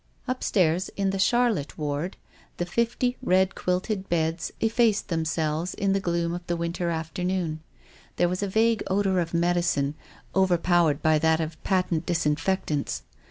Upstairs, in the Charlotte Ward, the fifty red quilted beds effaced themselves in the gloom of the autumn afternoon. There was a vague odour of medicine, overpowered by that of patent disinfectants.